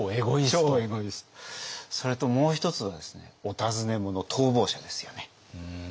それともう一つはですねお尋ね者逃亡者ですよね。